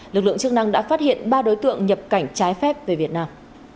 lực lượng chức năng đã phát hiện ba đối tượng nhập cảnh trái phép về việt nam